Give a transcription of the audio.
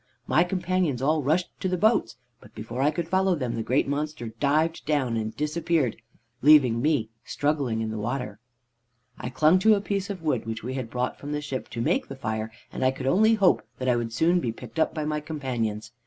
My companions all rushed to the boats, but before I could follow them the great monster dived down and disappeared, leaving me struggling in the water. "I clung to a piece of wood which we had brought from the ship to make the fire, and I could only hope that I would soon be picked up by my companions.